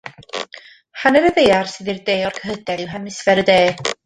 Hanner y Ddaear sydd i'r de o'r cyhydedd yw Hemisffer y De.